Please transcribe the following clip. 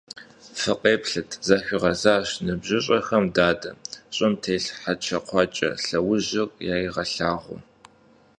— Фыкъеплъыт! — захуигъэзащ ныбжьыщӀэхэм дадэ, щӀым телъ хьэкӀэкхъуэкӀэ лъэужьыр яригъэлъагъуу.